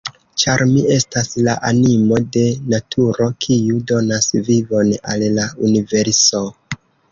Ĉar Mi estas la animo de naturo, kiu donas vivon al la universo.